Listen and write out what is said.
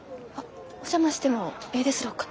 お邪魔してもえいですろうか？